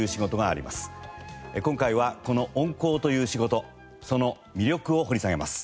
今回はこの音効という仕事その魅力を掘り下げます。